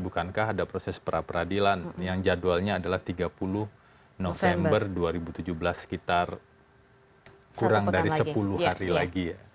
bukankah ada proses peradilan yang jadwalnya adalah tiga puluh november dua ribu tujuh belas sekitar kurang dari sepuluh hari lagi ya